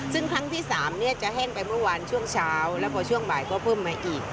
ซึ่งครั้งที่๓จะแห้งไปเมื่อวานช่วงเช้าแล้วพอช่วงบ่ายก็เพิ่มมาอีก